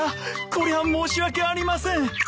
これは申し訳ありません。